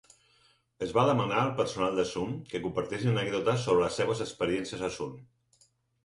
Es va demanar al personal de Sun que compartissin anècdotes sobre les seves experiències a Sun.